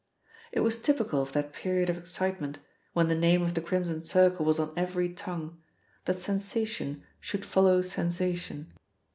It was typical of that period of excitement, when the name of the Crimson Circle was on every tongue, that sensation should follow sensation.